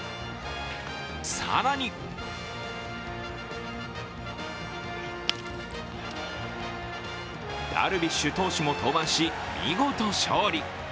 更にダルビッシュ投手も登板し見事勝利。